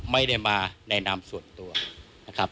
ไม่ได้มาในนามส่วนตัวนะครับ